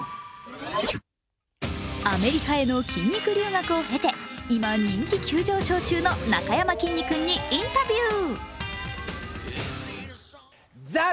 アメリカへの筋肉留学を経て、今人気急上昇中のなかやまきんに君にインタビュー。